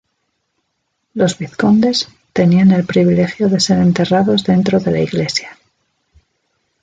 Los vizcondes, tenían el privilegio de ser enterrados dentro de la iglesia.